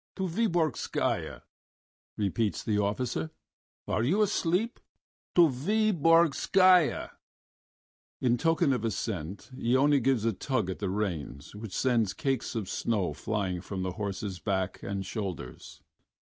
"To Vyborgskaya," repeats the officer. "Are you asleep? To Vyborgskaya!" In token of assent Iona gives a tug at the reins which sends cakes of snow flying from the horse's back and shoulders.